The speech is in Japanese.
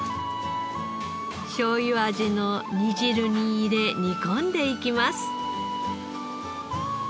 しょうゆ味の煮汁に入れ煮込んでいきます。